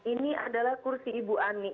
ini adalah kursi ibu ani